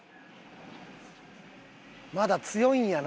まだ強いんやな。